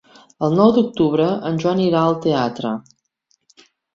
El nou d'octubre en Joan irà al teatre.